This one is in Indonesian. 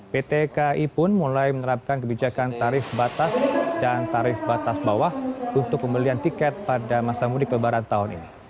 pt kai pun mulai menerapkan kebijakan tarif batas dan tarif batas bawah untuk pembelian tiket pada masa mudik lebaran tahun ini